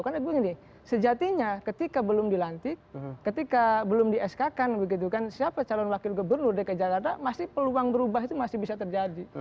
karena begini sejatinya ketika belum dilantik ketika belum di sk kan begitu kan siapa calon wakil gubernur dki jakarta masih peluang berubah itu masih bisa terjadi